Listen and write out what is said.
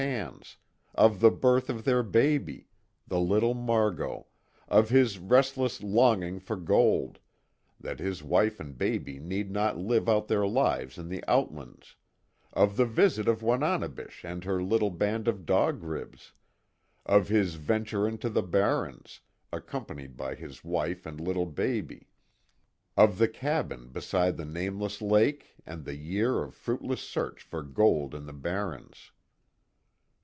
Anne's, of the birth of their baby the little Margot, of his restless longing for gold, that his wife and baby need not live out their lives in the outlands, of the visit of Wananebish and her little band of Dog Ribs, of his venture into the barrens, accompanied by his wife and little baby, of the cabin beside the nameless lake and the year of fruitless search for gold in the barrens.